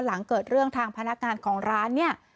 หลังเกิดเรื่องทางพนักงานของร้านเนี่ย